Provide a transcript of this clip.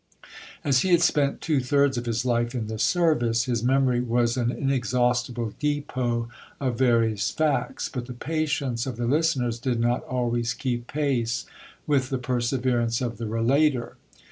As he had spent two thirds of his life in the service, his memory was an inexhaustible depot of various facts ; but the patience of the listeners did not always keep pace with the perseverance of the relater.